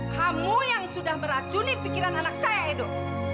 kamu yang sudah beracuni pikiran anak saya edo